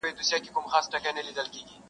ستا و سپینو ورځو ته که شپې د کابل واغوندم.